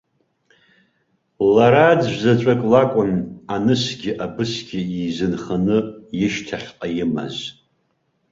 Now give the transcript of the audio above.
Лараӡәзаҵәык лакәын анысгьы абысгьы изынханы ишьҭахьҟа имаз.